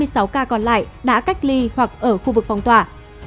hai mươi sáu ca còn lại đã cách ly hoặc ở khu vực phong tỏa